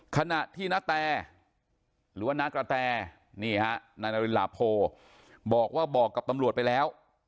ขณะที่ณแตร์หรือว่าณกระแตร์นี่ฮะณลาโพบอกว่าบอกกับตำรวจไปแล้ว